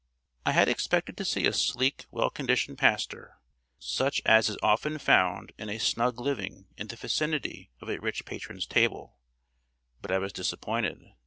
I had expected to see a sleek well conditioned pastor, such as is often found in a snug living in the vicinity of a rich patron's table; but I was disappointed.